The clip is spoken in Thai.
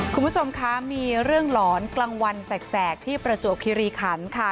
คุณผู้ชมคะมีเรื่องหลอนกลางวันแสกที่ประจวบคิริขันค่ะ